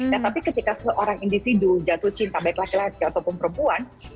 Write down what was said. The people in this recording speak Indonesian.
nah tapi ketika seorang individu jatuh cinta baik laki laki ataupun perempuan